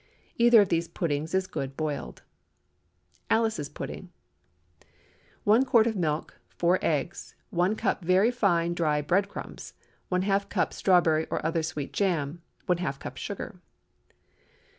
Either of these puddings is good boiled. ALICE'S PUDDING. ✠ 1 quart of milk. 4 eggs. 1 cup very fine dry bread crumbs. ½ cup strawberry or other sweet jam. ½ cup sugar.